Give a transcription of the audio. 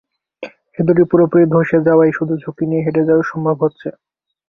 সেতুটি পুরোপুরি ধসে যাওয়ায় শুধু ঝুঁকি নিয়ে হেঁটে যাওয়াই সম্ভব হচ্ছে।